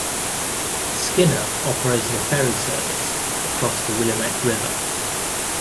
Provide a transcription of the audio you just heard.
Skinner operated a ferry service across the Willamette River.